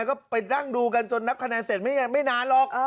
ก็ไปนั่งดูกันจนนับคะแนนเสร็จไม่นานหรอก